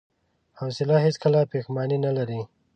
حوصله هیڅکله پښېماني نه لري.